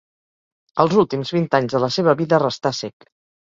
Els últims vint anys de la seva vida restà cec.